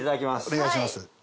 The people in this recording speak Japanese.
お願いします。